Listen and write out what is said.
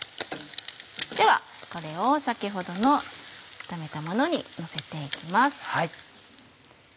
ではこれを先ほどの炒めたものにのせて行きます。